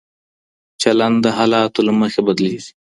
چلن د حالاتو له مخې بدلېږي.